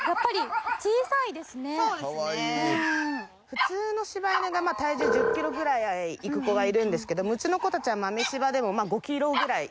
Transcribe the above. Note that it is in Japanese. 普通の柴犬が体重１０キロぐらいいく子がいるんですけどうちの子たちは豆柴でもまあ５キロぐらい。